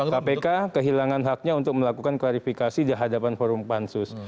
kpk kehilangan haknya untuk melakukan klarifikasi di hadapan forum pansus